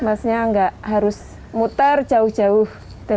maksudnya nggak harus muter jauh jauh